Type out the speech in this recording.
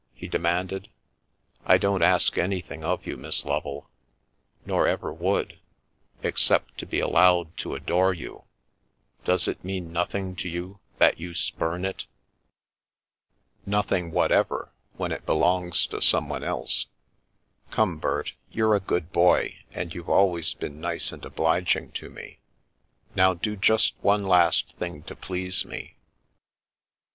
he demanded. "I don't ask anything of you, Miss Lovel, nor ever would, except to be allowed to adore you — does it mean nothing to you that you spurn it ?" The Milky Way " Nothing whatever, when it belongs to someone else. Come, Bert, you're a good boy, and you've always been nice and obliging to me; now do just one last thing to please me."